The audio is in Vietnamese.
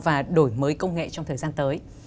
và đổi mới công nghệ trong thời gian tới